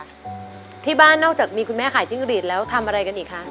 ที่บ้านนอกจากมีคุณแม่ขายจิ้งหรีดแล้วทำอะไรกันอีกคะ